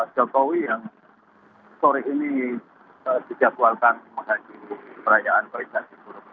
jokowi yang sore ini dijadwalkan menghadiri perayaan perintah di purwokerto